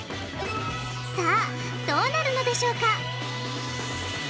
さあどうなるのでしょうか？